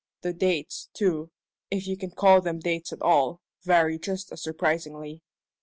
The dates, too if you can call them dates at all vary just as surprisingly."